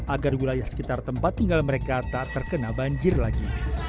agar wilayah sekitar tempat tinggal mereka tak terkena banjir lagi